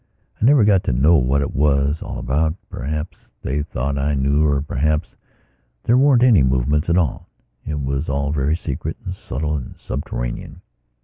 I never got to know what it was all about; perhaps they thought I knew or perhaps there weren't any movements at all. It was all very secret and subtle and subterranean.